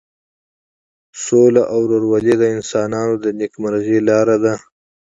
سوله او ورورولي د انسانانو د نیکمرغۍ لاره ده.